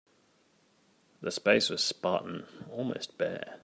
The space was spartan, almost bare.